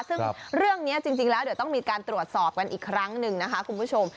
ซึ่งเรื่องนี้จริงแล้วเดี๋ยวต้องมีการตรวจสอบกันอีกครั้งหนึ่งนะคะคุณผู้ชม